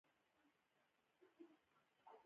د غنمو لو کولو ماشینونه شته